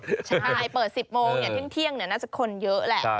ใช่เปิด๑๐โมงเที่ยงน่าจะคนเยอะแหละ